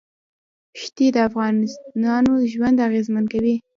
ښتې د افغانانو ژوند اغېزمن کوي.